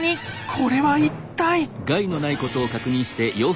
これは一体。